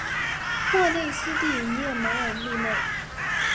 莫内斯蒂耶梅尔利内。